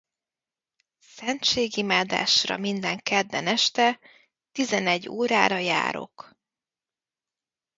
Szentségimádásra minden kedden este tizenegy órára járok.